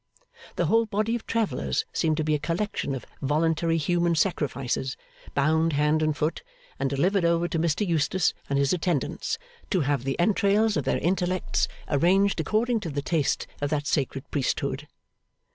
The whole body of travellers seemed to be a collection of voluntary human sacrifices, bound hand and foot, and delivered over to Mr Eustace and his attendants, to have the entrails of their intellects arranged according to the taste of that sacred priesthood.